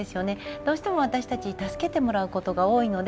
どうしても私たち助けてもらうことが多いので。